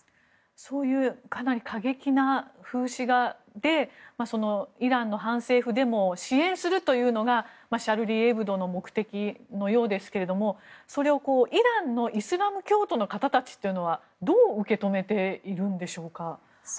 そういうかなり過激な風刺画でイランの反政府デモを支援するというのがシャルリー・エブドの目的のようですけれどもそれをイランのイスラム教徒の方たちというのはどう受け止めているんでしょうか。